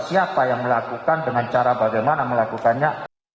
siapa yang melakukan dengan cara bagaimana melakukannya